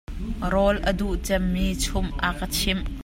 Rawl a duh cem mi chumh a kan chimh.